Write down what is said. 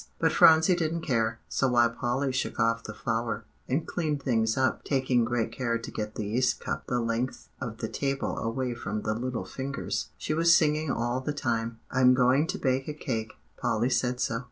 But Phronsie didn't care; so while Polly shook off the flour, and cleaned things up, taking great care to get the yeast cup the length of the table away from the little fingers, she was singing all the time, "I'm going to bake a cake Polly said so."